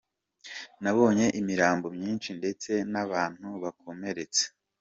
Nabonye imirambo myinshi ndetse n'abantu bakomeretse.